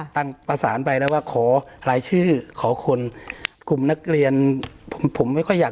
ประสานไปแล้วว่าขอรายชื่อขอคนกลุ่มนักเรียนผมผมไม่ค่อยอยาก